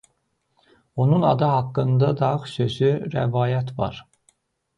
Onun adı haqqında da xüsusi rəvayət var.